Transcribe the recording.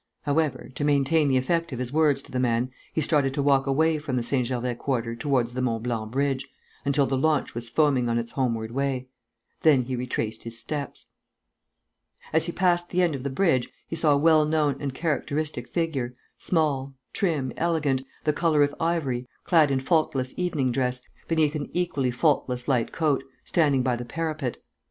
However, to maintain the effect of his words to the man, he started to walk away from the St. Gervais quarter towards the Mont Blanc bridge, until the launch was foaming on its homeward way. Then he retraced his steps. As he passed the end of the bridge, he saw a well known and characteristic figure, small, trim, elegant, the colour of ivory, clad in faultless evening dress, beneath an equally faultless light coat, standing by the parapet.